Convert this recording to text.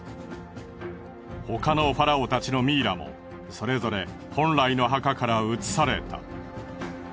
他のファラオたちのミイラもそれぞれ本来の墓から移された。